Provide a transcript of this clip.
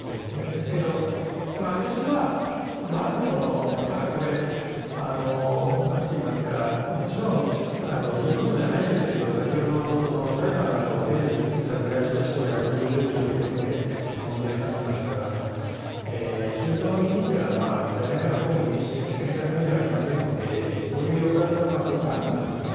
ですが私は、もちろんこれはいいことじゃないんですが先ほど、裁判などを経ずに殺害した人が１６０人ということで問題になってましたが中東の国というのは残念ながらどこも民主的な国じゃないのでそういう抑圧はすごくあるんですよね。